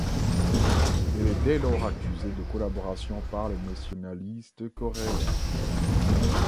Elle est dès lors accusée de collaboration par les nationalistes coréens.